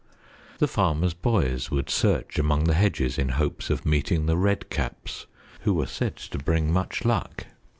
The farmers' boys would search among the hedges in hopes of meeting The Red Caps who were said to bring much luck.